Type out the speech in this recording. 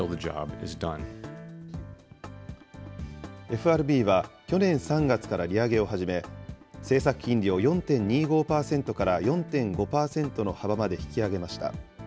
ＦＲＢは去年３月から利上げを始め、政策金利を４．２５％から４．５％の幅まで引き上げました。